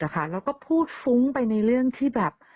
แล้วก็พูดฟุ้งไปในเรื่องที่แบบ